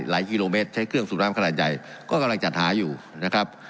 กิโลเมตรใช้เครื่องสูบน้ำขนาดใหญ่ก็กำลังจัดหาอยู่นะครับ